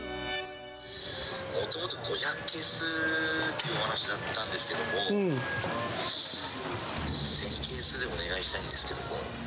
もともと５００ケースというお話だったんですけども、１０００ケースでお願いしたいんですけども。